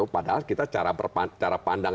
padahal kita cara pandang